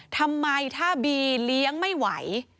ทำไมถ้าบีเลี้ยงไม่ไหว